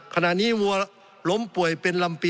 สงบจนจะตายหมดแล้วครับ